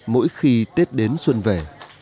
mỗi khi tết đến xuân về